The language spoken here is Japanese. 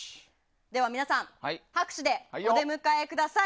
皆さん、拍手でお出迎えください。